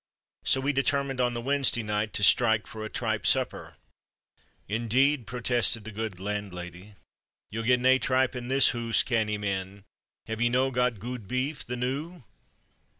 So we determined on the Wednesday night to "strike" for a tripe supper. "Indeed," protested the good landlady, "ye'll get nae tripe in this hoose, cannie men. Hae ye no' got guid beef, the noo?"